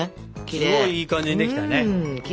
すごいいい感じにできたね。